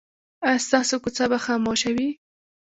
ایا ستاسو کوڅه به خاموشه وي؟